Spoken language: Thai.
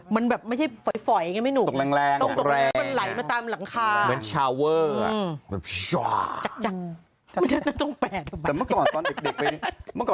มันแบบไม่ใช่ฝ่อยอย่างงี้ไม่นุก